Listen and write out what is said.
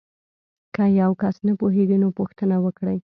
که یو کس نه پوهیږي نو پوښتنه وکړئ.